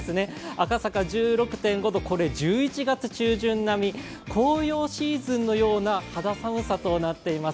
赤坂１６．５度、これは１１月中旬並み紅葉シーズンのような肌寒さとなっています。